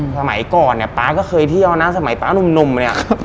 สมัยก่อนเนี่ยป๊าก็เคยเที่ยวนะสมัยป๊านุ่มเนี่ย